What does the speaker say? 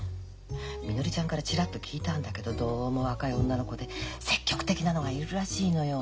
みのりちゃんからちらっと聞いたんだけどどうも若い女の子で積極的なのがいるらしいのよ。